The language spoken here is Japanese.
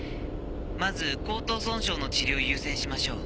まず喉頭損傷の治療を優先しましょう。